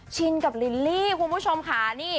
ชินกับลิลลี่คุณผู้ชมค่ะนี่